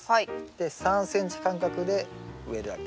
で３ｃｍ間隔で植えるだけ。